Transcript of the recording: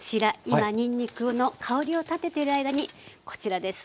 今にんにくの香りを立てている間にこちらです